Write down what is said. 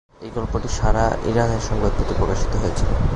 এই গল্পটি সারা ইরানের সংবাদপত্রে প্রকাশিত হয়েছিল।